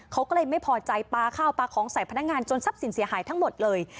เขาก็เลยไม่พอใจปลาข้าวปลาของใส่พนักงานจนทรัพย์สินเสียหายทั้งหมดเลย